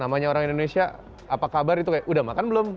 namanya orang indonesia apa kabar itu kayak udah makan belum